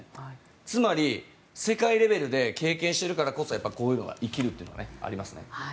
つまり、世界レベルで経験しているからこそこういうのが生きるというのがありますね。